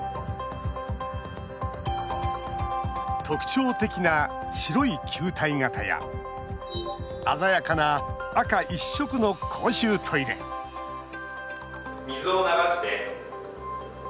特徴的な白い球体形や鮮やかな赤一色の公衆トイレ水を流して。